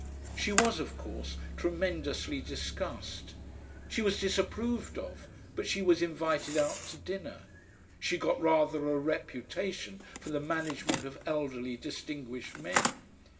She was, of course, tremendously discussed. She was disapproved of, but she was invited out to dinner. She got rather a reputation for the management of elderly distinguished men.